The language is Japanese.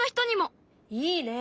いいね。